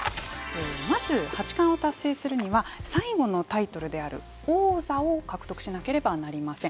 まず、八冠を達成するには最後のタイトルである王座を獲得しなければなりません。